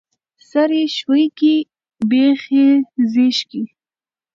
ـ سر يې ښويکى، بېخ يې زيږکى.